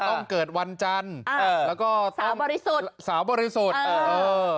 ต้องเกิดวันจันทร์เออแล้วก็สาวบริสุทธิ์สาวบริสุทธิ์เออเออ